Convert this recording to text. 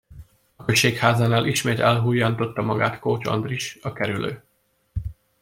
A községházánál ismét elhujjantotta magát Kócs Andris, a kerülő.